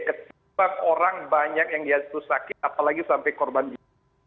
ketimbang orang banyak yang jatuh sakit apalagi sampai korban jatuh